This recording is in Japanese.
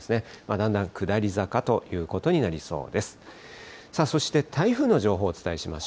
だんだん下り坂ということになりそうです。